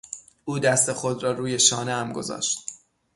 او دست خود را روی شانهام گذاشت.